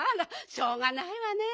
しょうがないわねえ。